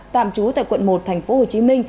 tạm trú tại quận một tp hcm